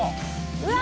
うわ！